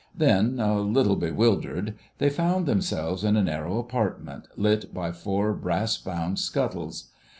Then, a little bewildered, they found themselves in a narrow apartment, lit by four brass bound scuttles.